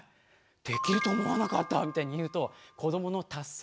できると思わなかった」みたいに言うと子どもの達成感がすごい満たされる。